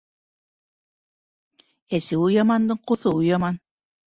Әсеүе ямандың ҡоҫоуы яман.